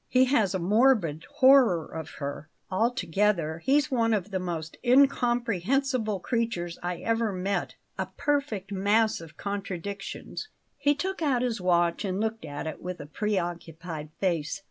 He has a morbid horror of her. Altogether, he's one of the most incomprehensible creatures I ever met a perfect mass of contradictions." He took out his watch and looked at it with a preoccupied face.